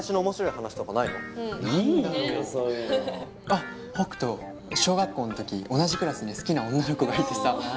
あっ北斗小学校のとき同じクラスに好きな女の子がいてさ。